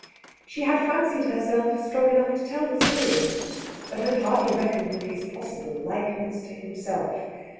She had fancied herself strong enough to tell the story, but had hardly reckoned with his possible likeness to himself.